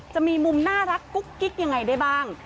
จะมีมุมน่ารักกุ๊กกิ๊กยังไงได้บ้าง